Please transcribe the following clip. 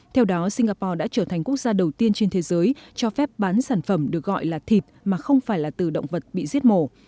theo đó singapore đã trở thành quốc gia đầu tiên trên thế giới cho phép bán sản phẩm được gọi là thịt mà không phải là từ động vật bị giết mổ